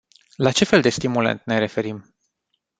La ce fel de stimulent ne referim?